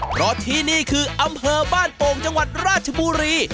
เพราะที่นี่คืออำเภอบ้านโป่งจังหวัดราชบุรี